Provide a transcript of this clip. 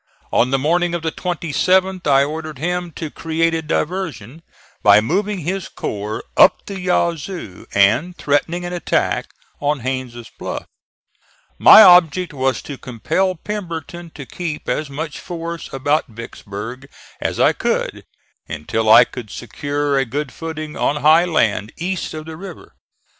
On the morning of the 27th I ordered him to create a diversion by moving his corps up the Yazoo and threatening an attack on Haines' Bluff. My object was to compel Pemberton to keep as much force about Vicksburg as I could, until I could secure a good footing on high land east of the river.